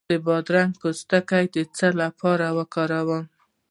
د بادرنګ پوستکی د څه لپاره وکاروم؟